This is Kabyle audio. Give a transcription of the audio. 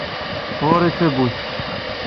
Ɣur-i ttbut.